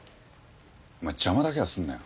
お前邪魔だけはすんなよ。